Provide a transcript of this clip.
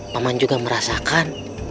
paman juga merasakan